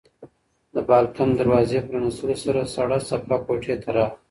د بالکن د دروازې په پرانیستلو سره سړه څپه کوټې ته راغله.